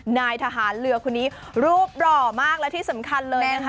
นายทหารเรือคนนี้รูปหล่อมากและที่สำคัญเลยนะคะ